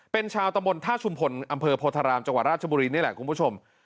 เป็นชาวตะบนท่าชุมพลอำเภอโพธารามจังหวัดราชบุรีนี่แหละคุณผู้ชม